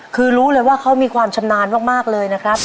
คือรู้เลยว่าเขามีความชำนาญมากเลยนะครับ